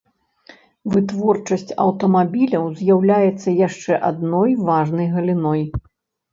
Вытворчасць аўтамабіляў з'яўляецца яшчэ адной важнай галіной.